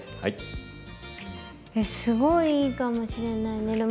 すごいいいかもしれない寝る